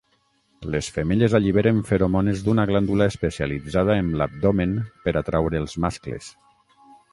Les femelles alliberen feromones d'una glàndula especialitzada en l'abdomen per atraure els mascles.